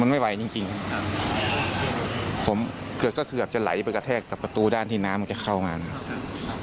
ไม่ไหวจริงจริงครับผมเกือบก็เกือบจะไหลไปกระแทกกับประตูด้านที่น้ำมันจะเข้ามานะครับ